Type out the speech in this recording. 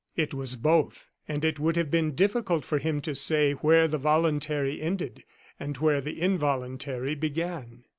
It was both; and it would have been difficult for him to say where the voluntary ended, and where the involuntary began.